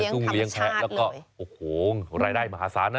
ทุ่งเลี้ยงแพ้แล้วก็โอ้โหรายได้มหาศาลนะ